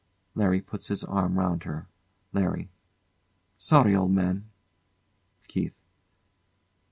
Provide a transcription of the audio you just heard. [LARRY puts his arm round her.] LARRY. Sorry, old man. KEITH.